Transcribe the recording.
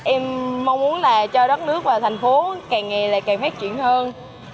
em mong muốn là cho đất nước và thành phố càng ngày lại càng phát triển hơn